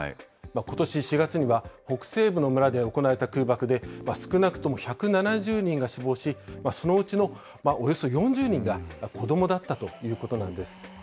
ことし４月には、北西部の村で行われた空爆で、少なくとも１７０人が死亡し、そのうちのおよそ４０人が子どもだったということなんです。